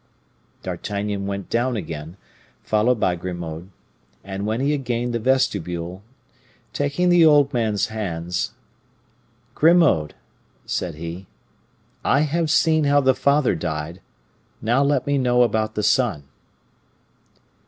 D'Artagnan went down again, followed by Grimaud; and when he had gained the vestibule, taking the old man's hands, "Grimaud," said he, "I have seen how the father died; now let me know about the son."